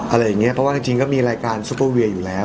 อะไรอย่างเงี้ยเพราะว่าจริงก็มีรายการซุปเปอร์เวียอยู่แล้ว